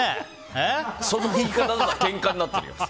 その言い方だとけんかになっているやつ。